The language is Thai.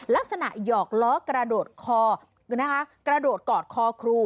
ลักษณะหยอกล้อกระโดดกอดคอครู